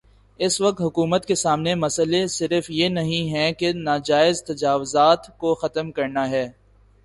اس وقت حکومت کے سامنے مسئلہ صرف یہ نہیں ہے کہ ناجائز تجاوزات کو ختم کرنا ہے۔